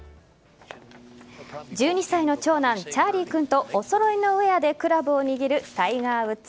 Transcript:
１２歳の長男・チャーリー君とお揃いのウェアでクラブを握るタイガー・ウッズ。